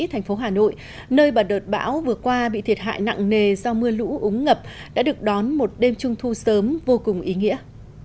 thành phố hà nội nơi mà đợt bão vừa qua bị thiệt hại nặng nề do mưa lũ ống ngập đã được đón một đêm trung thu sớm vô cùng ý nghĩa